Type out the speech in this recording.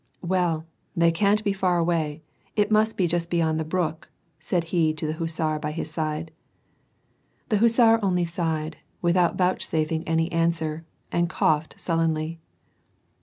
"Well, they can't be far away; must be just beyond the brook," said he to the hussar by his side. The hussar only sighed, without vouchsafing any answer, and coughed sullenly.